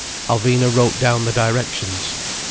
Alvina wrote down the directions.